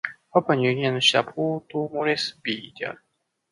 パプアニューギニアの首都はポートモレスビーである